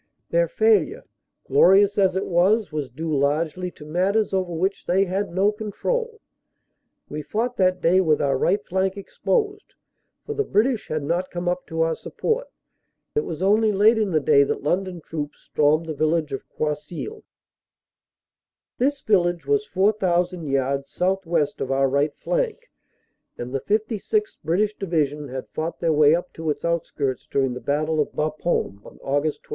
Their failure, glorious as it was, was due largely to matters over which they had no control. We fought that day with our right flank exposed, for the British had not come up to our support. It was only late in the day that London troops stormed the village of Croisilles. This village was 4,000 yards southwest of our right flank, and the 56th. British Division had fought their way up to its outskirts during the battle of Bapaume on Aug. 24.